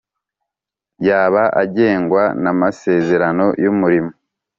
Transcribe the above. yaba agengwa na masezerano y’umurimo